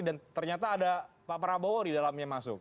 dan ternyata ada pak prabowo di dalamnya masuk